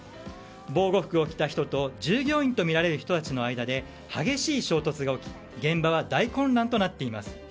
防護服を着た人と従業員とみられる人たちの間で激しい衝突が起き、現場は大混乱となっています。